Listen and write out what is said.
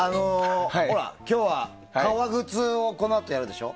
今日は革靴をこのあとやるでしょ。